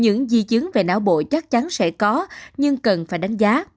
những di chứng về não bộ chắc chắn sẽ có nhưng cần phải đánh giá